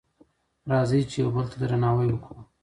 راځئ چې یو بل ته درناوی وکړو.